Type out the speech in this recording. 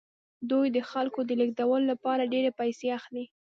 دوی د خلکو د لیږدولو لپاره ډیرې پیسې اخلي